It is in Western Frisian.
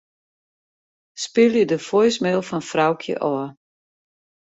Spylje de voicemail fan Froukje ôf.